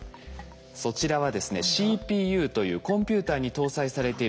そちらはですねＣＰＵというコンピューターに搭載されている部品です。